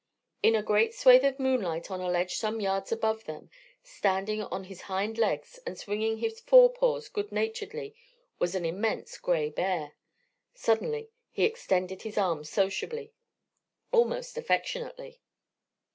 In a great swath of moonlight on a ledge some yards above them, standing on his hind legs and swinging his forepaws goodnaturedly, was an immense grey bear. Suddenly he extended his arms sociably, almost affectionately.